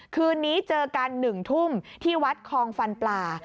คืนนี้เจอกัน๑ทุ่มที่วัดคลองฟันปลา